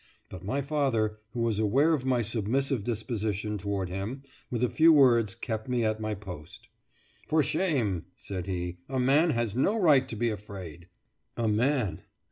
But my father, who was aware of my submissive disposition toward him, with a few words kept me at my post. "For shame!" said he; "a man has no right to be afraid." A man!